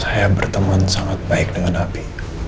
saya berteman sangat baik dengan hp